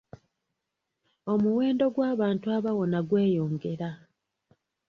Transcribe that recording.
Omuwendo gw'abantu abawona gweyongera.